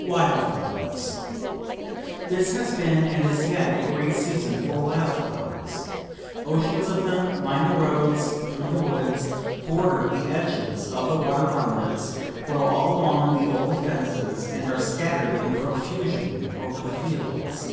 WILD FLOWERS This has been and is yet a great season for wild flowers; oceans of them line the roads through the woods, border the edges of the water runlets, grow all along the old fences, and are scatter'd in profusion over the fields.